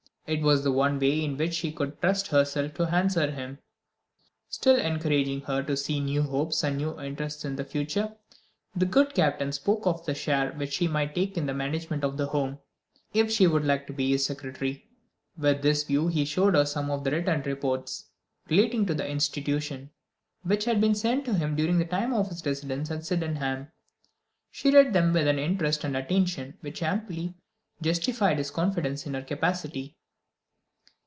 It was the one way in which she could trust herself to answer him. Still encouraging her to see new hopes and new interests in the future, the good Captain spoke of the share which she might take in the management of the Home, if she would like to be his secretary. With this view he showed her some written reports, relating to the institution, which had been sent to him during the time of his residence at Sydenham. She read them with an interest and attention which amply justified his confidence in her capacity.